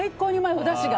おだしが。